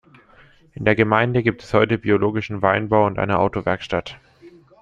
In der Gemeinde gibt es heute biologischen Weinbau und eine Autowerkstatt.